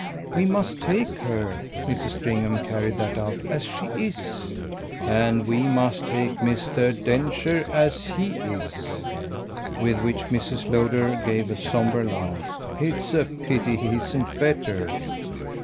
"We must take her" Mrs. Stringham carried that out "as she is." "And we must take Mr. Densher as HE is." With which Mrs. Lowder gave a sombre laugh. "It's a pity he isn't better!"